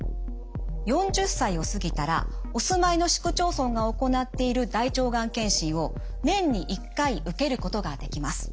４０歳を過ぎたらお住まいの市区町村が行っている大腸がん検診を年に１回受けることができます。